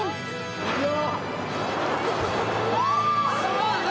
いくよ。